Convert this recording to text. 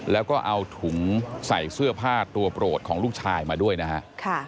แล้วก็เอาถุงใส่เสื้อผ้าตัวโปรดของลูกชายมาด้วยนะฮะ